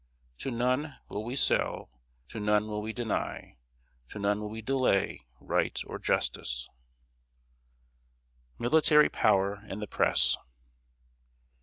To none will we sell, to none will we deny, to none will we delay right or justice." [Sidenote: MILITARY POWER AND THE PRESS.